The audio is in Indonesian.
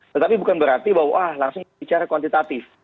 tetapi bukan berarti bahwa langsung bicara kuantitatif